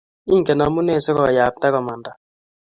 Ingen amune si ko yapta komanda